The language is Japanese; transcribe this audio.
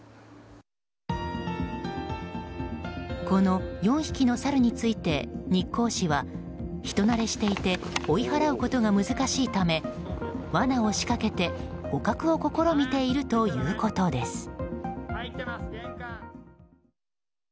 この４匹のサルについて日光市は人なれしていて追い払うことが難しいためわなを仕掛けて捕獲を試みているということです。